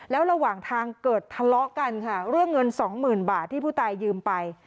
แล้วระหว่างทางเกิดทะเลาะกันค่ะเรื่องเงินสองหมื่นบาทที่ผู้ตายยืมไป